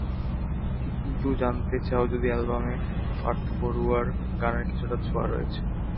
কিন্তু জানতে চাও যদি অ্যালবামে পার্থ বড়ুয়ার গানের কিছুটা ছোঁয়া রয়েছে।